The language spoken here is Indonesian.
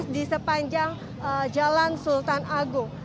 di sepanjang jalan sultan agung